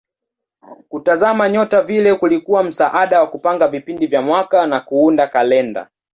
Kutazama nyota vile kulikuwa msaada wa kupanga vipindi vya mwaka na kuunda kalenda.